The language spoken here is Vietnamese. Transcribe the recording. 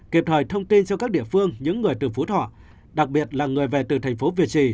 kịp thời thông tin cho các địa phương những người từ phú thọ đặc biệt là người về từ thành phố việt trì